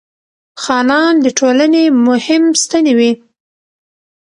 خانان د ټولنې مهم ستنې وې.